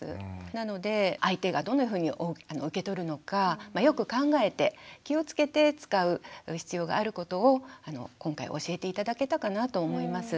なので相手がどんなふうに受け取るのかよく考えて気をつけて使う必要があることを今回教えて頂けたかなと思います。